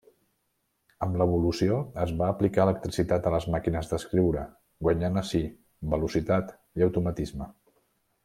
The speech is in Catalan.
Amb l'evolució, es va aplicar electricitat a les màquines d'escriure, guanyant així velocitat i automatisme.